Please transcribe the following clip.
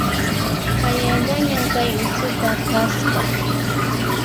Hayallañan kay uchuqa kasqa